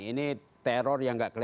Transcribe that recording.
ini teror yang tidak terjadi